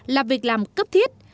là việc làm cấp thiết